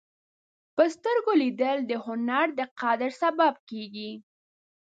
په سترګو لیدل د هنر د قدر سبب کېږي